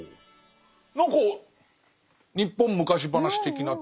何か日本昔話的な。